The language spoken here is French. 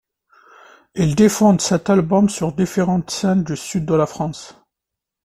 Ils défendent cet album sur différentes scènes du sud de la France.